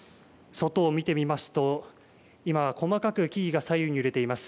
外を見てみますと今は細く木々が左右に揺れています。